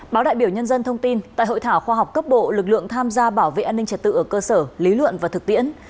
báo đại biểu nhân dân thông tin tại hội thảo khoa học cấp bộ lực lượng tham gia bảo vệ an ninh trật tự ở cơ sở lý luận và thực tiễn